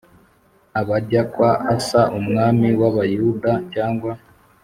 Abajya kwa asa umwami w abayuda cyangwa